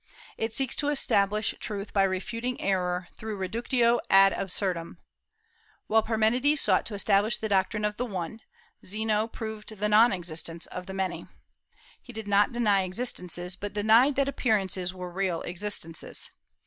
It seeks to establish truth by refuting error through the reductio ad absurdum. While Parmenides sought to establish the doctrine of the One, Zeno proved the non existence of the Many. He did not deny existences, but denied that appearances were real existences.